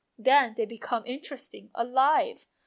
Then they become interesting, alive.